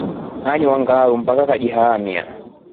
Anywa ngʼaru mpaa kajiwaamilya.